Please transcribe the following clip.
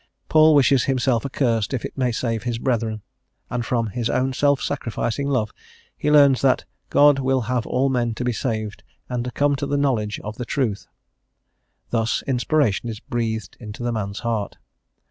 Paul wishes himself accursed if it may save his brethren, and from his own self sacrificing love he learns that "God will have all men to be saved, and to come to the knowledge of the truth." Thus inspiration is breathed into the man's heart.